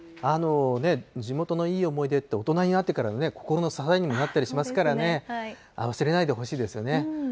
地元のいい思い出って、大人になってから心の支えにもなったりしますからね、忘れないでほしいですよね。